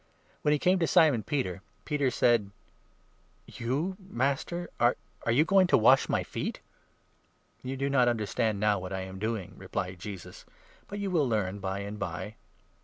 When he came to Simon Peter, Peter 6 said : "You, Master ! Are you going to wash my feet ?" "You do not understand now what I am doing," replied 7 Jesus, " but you will learn by and by."